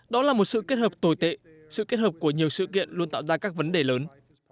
đó là một sự kết hợp tồi tệ sự kết hợp của nhiều sự kiện luôn tạo ra các vấn đề lớn